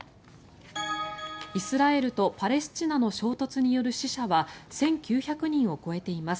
イスラエルとパレスチナの衝突による死者は１９００人を超えています。